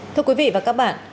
thưa quý vị và các bạn